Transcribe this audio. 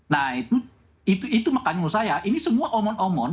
nah itu makanya menurut saya ini semua omon omon